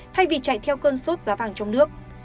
thay vì chạy theo cơn sốt giá vàng trong nước